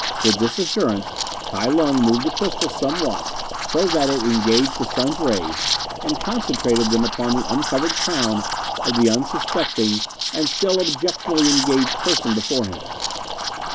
With this assurance Kai Lung moved the crystal somewhat, so that it engaged the sun's rays, and concentrated them upon the uncovered crown of the unsuspecting and still objectionably engaged person before him.